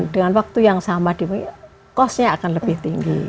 dengan waktu yang sama cost nya akan lebih tinggi